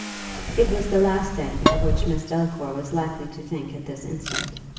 It was the last thing of which Miss Delacour was likely to think at this instant.